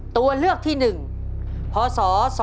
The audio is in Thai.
ตัวเลือกที่๑พศ๒๕๖